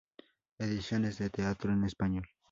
Ediciones de teatro en español